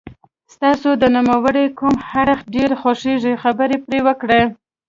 ستاسو د نوموړي کوم اړخ ډېر خوښیږي خبرې پرې وکړئ.